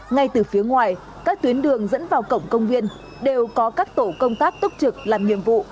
ngay từ phía ngoài các tuyến đường dẫn vào cổng công viên đều có các tổ công tác túc trực làm nhiệm vụ